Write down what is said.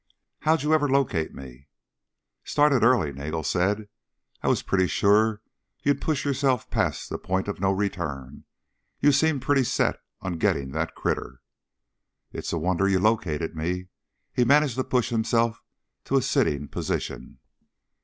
"How'd you ever locate me?" "Started early," Nagel said. "I was pretty sure you'd push yourself past the point of no return. You seemed pretty set on getting that critter." "It's a wonder you located me." He managed to push himself to a sitting position.